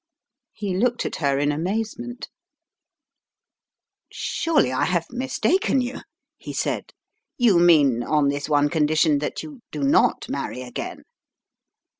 He looked at her in amazement. "Surely I have mistaken you," he said. "You mean on this one condition, that you do not marry again?"